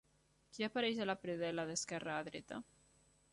Qui apareix a la predel·la d'esquerra a dreta?